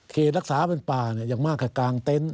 รักษาเป็นป่าอย่างมากกับกลางเต็นต์